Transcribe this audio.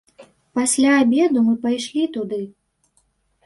Пасля абеду мы пайшлі туды.